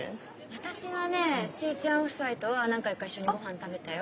私はねしーちゃん夫妻とは何回か一緒にごはん食べたよ。